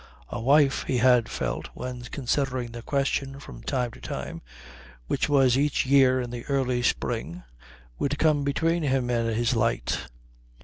A wife, he had felt when considering the question from time to time, which was each year in the early spring, would come between him and his light.